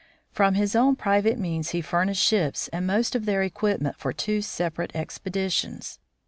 From his own private means he furnished ships and most of their equipment for two separate expeditions.